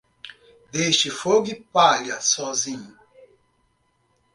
Deixe fogo e palha sozinho.